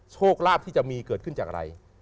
โชคลาภที่จะมีเกิดขึ้นจากอะไร